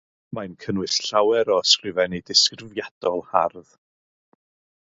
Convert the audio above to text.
Mae'n cynnwys llawer o ysgrifennu disgrifiadol hardd.